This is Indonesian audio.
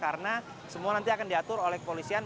karena semua nanti akan diatur oleh kepolisian